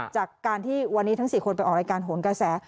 จากการที่วันนี้ทั้ง๔คนไปออกรายการโหนกระแส